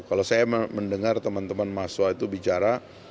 kalau saya mendengar teman teman mahasiswa itu bicara